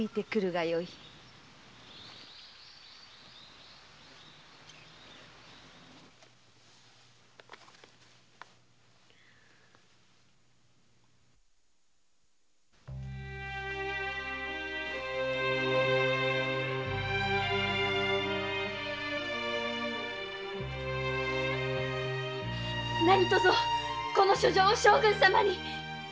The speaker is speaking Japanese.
何とぞこの書状を将軍様に。